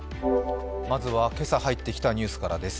まずは今朝入ってきたニュースからです。